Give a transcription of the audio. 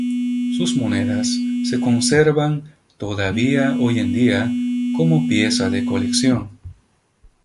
Sus monedas se conservan todavía hoy en día como piezas de colección.